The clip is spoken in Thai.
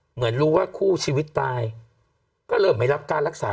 เหมือนรู้ว่าคู่ชีวิตตายก็เริ่มไม่รับการรักษา